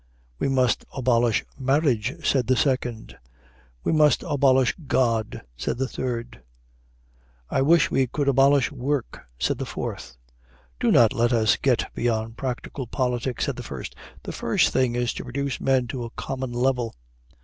"'We must abolish marriage,' said the second. "'We must abolish God,' said the third. "'I wish we could abolish work,' said the fourth. "'Do not let us get beyond practical politics,' said the first. 'The first thing is to reduce men to a common level.'